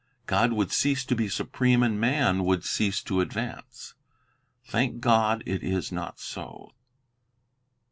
God would cease to be supreme, and man would cease to advance. Thank God, it is not so.